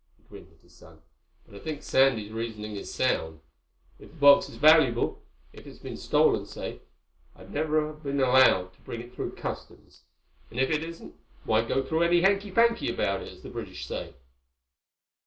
He grinned at his son. "But I think Sandy's reasoning is sound. If the box is valuable—if it's been stolen, say—I'd never have been allowed to bring it through customs. And if it isn't, why go through any hanky panky about it, as the British say?"